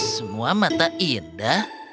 semua mata indah